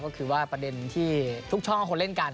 ก็คือว่าประเด็นที่ทุกช่องคนเล่นกัน